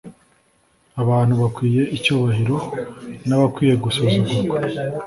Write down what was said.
Abantu bakwiye icyubahiro, n’abakwiye gusuzugurwa